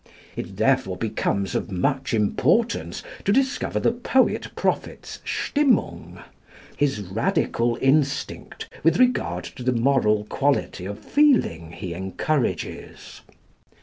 It therefore becomes of much importance to discover the poet prophet's Stimmung his radical instinct with regard to the moral quality of the feeling he encourages.